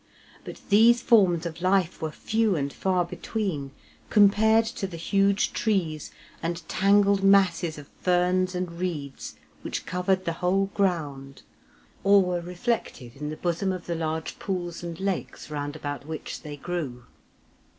But these forms of life were few and far between, compared to the huge trees and tangled masses of ferns and reeds which covered the whole ground, or were reflected in the bosom of the large pools and lakes round about which they grew.